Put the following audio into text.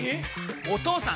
お義父さん！